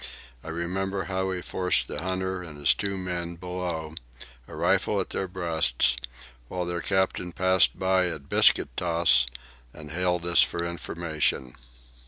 I remember how he forced the hunter and his two men below, a rifle at their breasts, when their captain passed by at biscuit toss and hailed us for information.